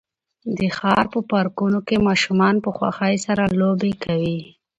د ښار په پارکونو کې ماشومان په خوښۍ سره لوبې کوي.